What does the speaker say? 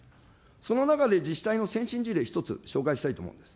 その中で、自治体の先進事例、１つ、紹介したいと思うんです。